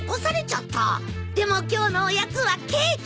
でも今日のおやつはケーキ！